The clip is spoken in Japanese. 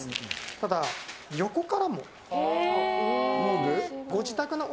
ただ、横からも。